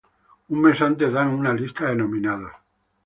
Un mes antes dan una lista de nominados.